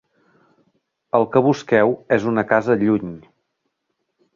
El que busqueu és una casa lluny.